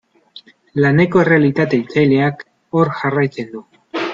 Laneko errealitate hiltzaileak hor jarraitzen du.